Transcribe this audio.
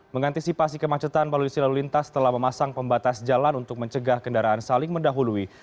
mengantisipasi kemacetan polisi lalu lintas telah memasang pembatas jalan untuk mencegah kendaraan saling mendahului